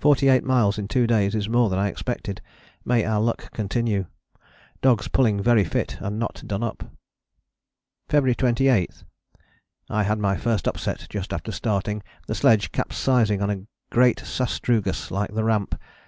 Forty eight miles in two days is more than I expected: may our luck continue. Dogs pulling very fit and not done up. "February 28. I had my first upset just after starting, the sledge capsizing on a great sastrugus like the Ramp.